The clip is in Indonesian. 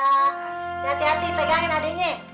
hati hati pegangin adiknya